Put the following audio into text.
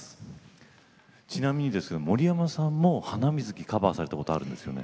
ちなみにですけど森山さんも「ハナミズキ」カバーされたことあるんですよね。